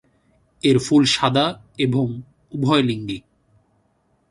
এর ফুল সাদা এবং উভয়লিঙ্গিক।